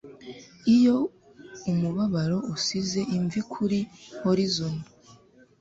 iyo umubabaro usize imvi kuri horizon